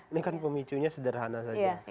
ini kan pemicunya sederhana saja